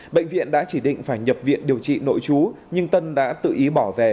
bệnh viện đã chỉ định phải nhập viện điều trị nội chú nhưng tân đã tự ý bỏ về